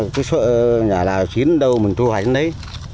cứ sợ nhà nào chín đâu mình thu hoạch đến đấy